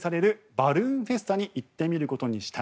バルーンフェスタに行ってみることにした。